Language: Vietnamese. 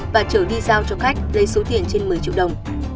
và trở đi giao cho khách lấy số tiền trên một mươi triệu đồng